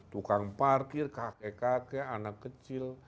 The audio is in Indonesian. tukang parkir kakek kakek anak kecil